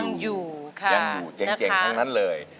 ยังอยู่เจ๋งทั้งนั้นเลย